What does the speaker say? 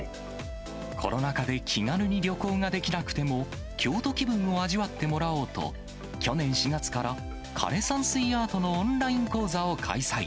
コロナ禍で気軽に旅行ができなくても、京都気分を味わってもらおうと、去年４月から枯山水アートのオンライン講座を開催。